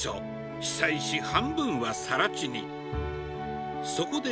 被災し、半分はさら地に。